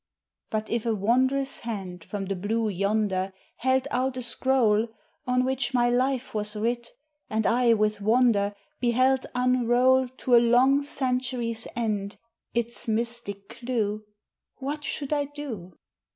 But if a wondrous hand from the blue yonder Held out a scroll, On which my life was writ, and I with wonder Beheld unroll To a long century's end its mystic clew, What should I do?